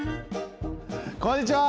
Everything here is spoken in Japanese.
こんにちは！